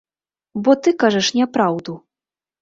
Бо ты кажаш няпраўду.